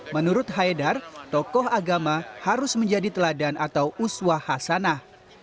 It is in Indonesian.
menurut haidar tokoh agama harus menjadi teladan atau uswa hasanah